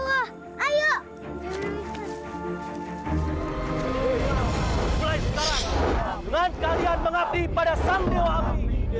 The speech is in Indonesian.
mulai sekarang dengan kalian mengabdi pada sang dewa api